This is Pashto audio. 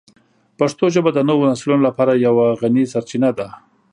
پښتو ژبه د نوو نسلونو لپاره یوه غني سرچینه ده.